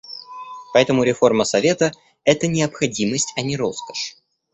Поэтому реформа Совета — это необходимость, а не роскошь.